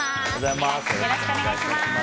よろしくお願いします。